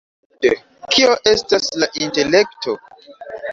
Sed kio estas la intelekto?